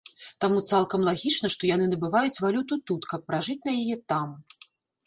Таму цалкам лагічна, што яны набываюць валюту тут, каб пражыць на яе там.